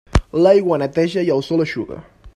L'aigua neteja i el sol eixuga.